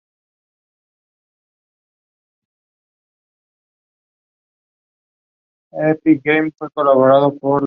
Se han encontrado en las plantaciones de pino en Colombia.